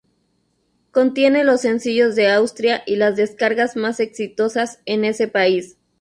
Contiene los sencillos de Austria y las descargas más exitosas en ese país.